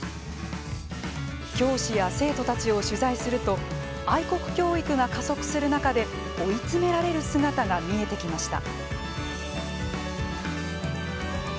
教師や生徒たちを取材すると愛国教育が加速する中で追いつめられる姿が見えてきました。